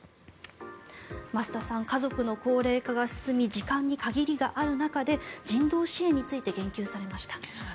増田さん、家族の高齢化が進み時間に限りがある中で人道支援について言及されました。